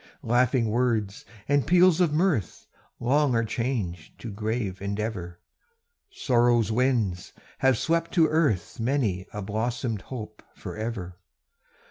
"Laughing words and peals of mirth, Long are changed to grave endeavor; Sorrow's winds have swept to earth Many a blossomed hope forever.